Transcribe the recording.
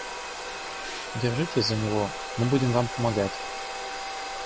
Держитесь за него, мы будем вам помогать.